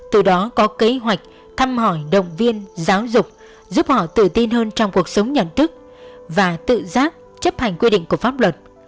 từ đó có kế hoạch thăm hỏi động viên giáo dục giúp họ tự tin hơn trong cuộc sống nhận thức và tự giác chấp hành quy định của pháp luật